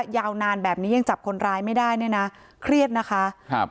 ยาวนานแบบนี้ยังจับคนร้ายไม่ได้เนี่ยนะเครียดนะคะครับ